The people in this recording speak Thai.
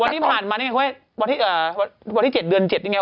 วันที่ผ่านมาวันที่๗เดือน๗เป็นไง